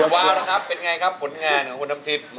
วาวนะครับเป็นไงครับผลงานของคุณน้ำทิพย์